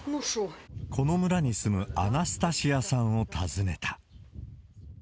この村に住むアナスタシアさんを訪ねた。